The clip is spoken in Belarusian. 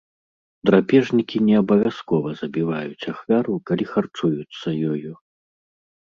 Драпежнікі не абавязкова забіваюць ахвяру, калі харчуюцца ёю.